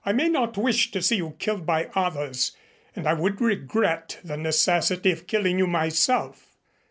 I may not wish to see you killed by others, and I would regret the necessity of killing you myself.